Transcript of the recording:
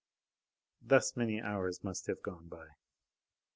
Thus many hours must have gone by.